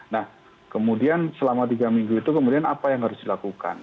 nah kemudian selama tiga minggu itu kemudian apa yang harus dilakukan